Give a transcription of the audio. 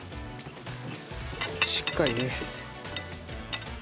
しっかりね。